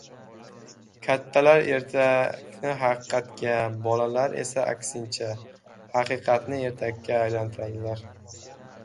— Kattalar ertakni haqiqatga, bolalar esa aksincha – haqiqatni ertakka aylantiradilar.